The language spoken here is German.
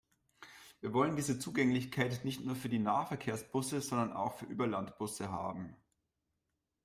Wir wollen diese Zugänglichkeit nicht nur für die Nahverkehrsbusse, sondern auch für Überlandbusse haben.